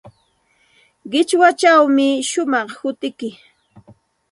Qichwachawmi shumaq hutiyki.